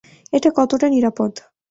এটা কতটা নিরাপদ?